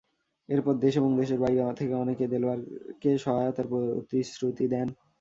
এরপর দেশ এবং দেশের বাইরে থেকে অনেকে দেলোয়ারকে সহায়তার প্রতিশ্রুতি দেন।